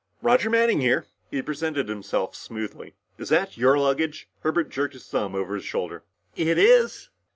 "Roger Manning here," he presented himself smoothly. "Is that your luggage?" Herbert jerked his thumb over his shoulder. "It is."